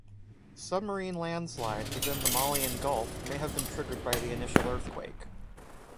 Submarine landslides within the Malian Gulf may have been triggered by the initial earthquake.